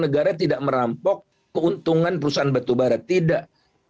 negara tidak merampok keuntungan perusahaan batubara tidak